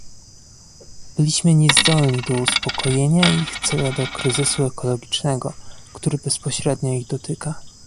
Byliśmy niezdolni do uspokojenia ich co do kryzysu ekologicznego, który bezpośrednio ich dotyka